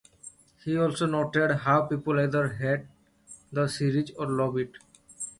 He also noted how people "either hate the series or love it".